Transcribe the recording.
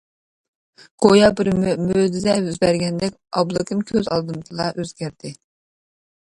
گويا بىر مۆجىزە يۈز بەرگەندەك، ئابلىكىم كۆز ئالدىمدىلا ئۆزگەردى.